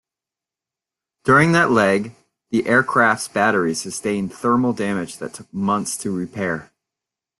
During that leg, the aircraft's batteries sustained thermal damage that took months to repair.